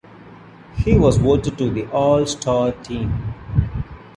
He was voted to the All Star team.